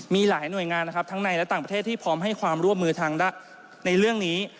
มีหลายหน่วยงานนะครับทั้งในและต่างประเทศที่พร้อมให้ความร่วมมือในเรื่องนี้